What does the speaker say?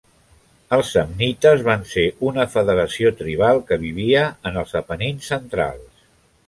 Els samnites van ser una federació tribal que vivia en els Apenins centrals.